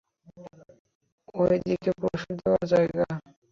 ওই দিকে প্রসাদ দেওয়ার জায়গা।